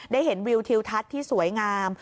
เห็นวิวทิวทัศน์ที่สวยงาม